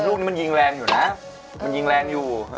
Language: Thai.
หนูจะไม่ยินใครเลยวันนี้